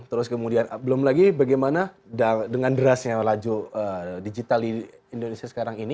terus kemudian belum lagi bagaimana dengan derasnya laju digital di indonesia sekarang ini